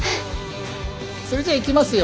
それじゃあいきますよ。